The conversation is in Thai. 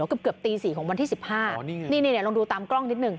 เกือบเกือบตีสี่ของวันที่สิบห้าอ๋อนี่ไงนี่นี่ลองดูตามกล้องนิดหนึ่ง